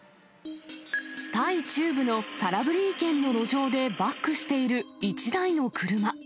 タイ中部のサラブリー県の路上でバックしている１台の車。